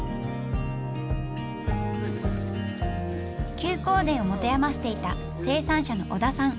休耕田を持て余していた生産者の織田さん。